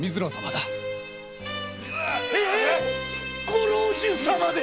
ご老中様で！？